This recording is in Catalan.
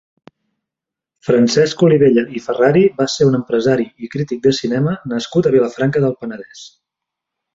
Francesc Olivella i Ferrari va ser un empresari i crític de cinema nascut a Vilafranca del Penedès.